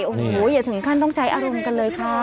โอ้โหอย่าถึงขั้นต้องใช้อารมณ์กันเลยค่ะ